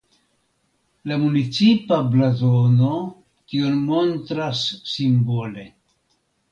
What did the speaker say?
La municipa blazono tion montras simbole.